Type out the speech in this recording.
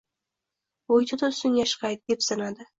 Bo`ynini ustunga ishqaydi, depsinadi